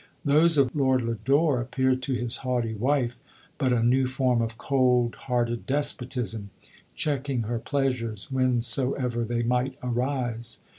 Those of Lord Lodore appeared to his haughty wife but a new form of cold hearted despotism, checking her pleasures whencesoever they might arise.